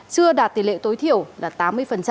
chưa đạt tỷ lệ tối thiểu là tám mươi